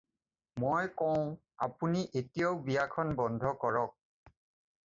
মই কওঁ আপুনি এতিয়াও বিয়াখন বন্ধ কৰক।